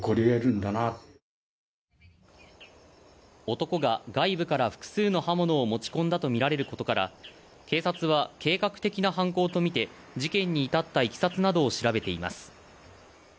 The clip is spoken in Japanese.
男が外部から複数の刃物を持ち込んだとみられることから警察は計画的な犯行とみて事件に至ったいきさつなどを調べています